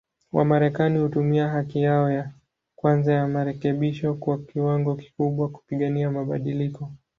Wamarekani hutumia haki yao ya kwanza ya marekebisho kwa kiwango kikubwa, kupigania mabadiliko.